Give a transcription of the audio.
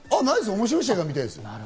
面白い試合を見たいですよ。